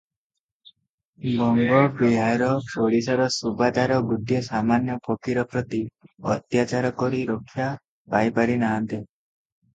ବଙ୍ଗ, ବିହାର, ଓଡ଼ିଶାର ସୁବାଦାର ଗୋଟିଏ ସାମାନ୍ୟ ଫକୀର ପ୍ରତି ଅତ୍ୟାଚାର କରି ରକ୍ଷା ପାଇପାରି ନାହାନ୍ତି ।